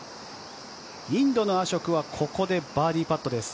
インドのアショクはここでバーディーパットです。